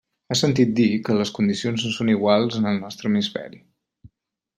Ha sentit dir que les condicions no són iguals en el nostre hemisferi.